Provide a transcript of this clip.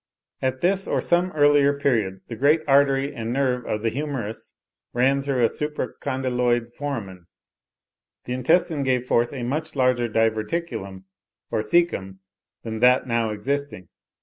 At this or some earlier period, the great artery and nerve of the humerus ran through a supra condyloid foramen. The intestine gave forth a much larger diverticulum or caecum than that now existing.